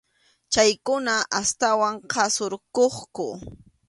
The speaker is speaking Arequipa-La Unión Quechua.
Chaykuna astawan qhasurquqku.